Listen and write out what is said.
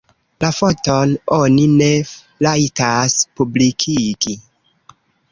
La foton oni ne rajtas publikigi.